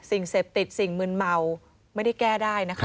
สิ่งเสพติดสิ่งมืนเมาไม่ได้แก้ได้นะคะ